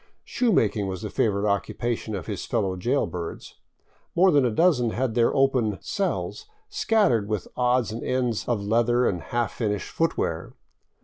Shoe making was the favorite occupation of his fellow jailbirds. More than a dozen had their open " cells " scattered with odds and ends of leather and half finished footwear.